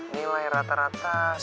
nilai rata rata sembilan puluh delapan lima